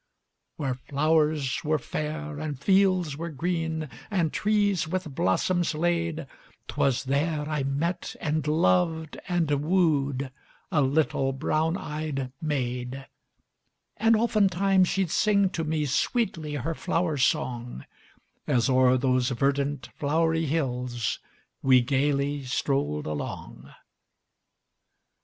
Where flowers were fair and fields were green, And trees with blossoms lade, 'Twas there I met and loved and wooed A little brown eyed maid; And oftentimes she'd sing to me Sweetly her Flower Song, As o'er those verdant, flowery hills We gaily strolled along.